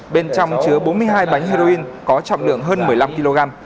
bên trong chứa bốn mươi hai bánh heroin có trọng lượng hơn một mươi năm kg